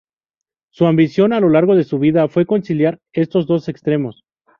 Su ambición a lo largo de su vida fue conciliar estos dos extremos.